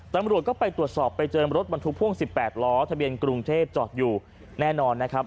ตำรวจก็ไปตรวจสอบไปเจอรถบรรทุกพ่วง๑๘ล้อทะเบียนกรุงเทพจอดอยู่แน่นอนนะครับ